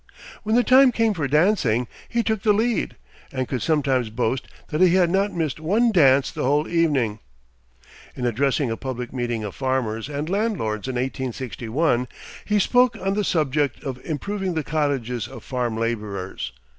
When the time came for dancing, he took the lead, and could sometimes boast that he had not missed one dance the whole evening. In addressing a public meeting of farmers and landlords in 1861, he spoke on the subject of improving the cottages of farm laborers.